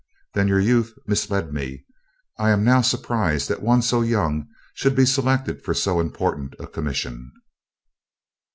Then your youth misled me. I am now surprised that one so young should be selected for so important a commission."